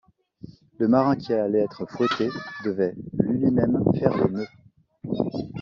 Le marin qui allait être fouetté devait lui-même faire les nœuds.